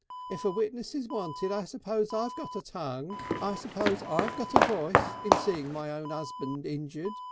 "If a witness is wanted I suppose I've got a tongue. I suppose I got a voice in seeing my own 'usband injured.